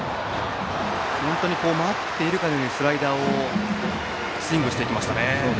本当に待っているかのようにスライダーをスイングしていきましたね。